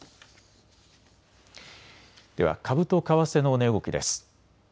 では株と為替の値動きです。